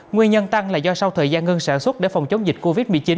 nguyên nhân tăng là do sau thời gian ngưng sản xuất để phòng chống dịch covid một mươi chín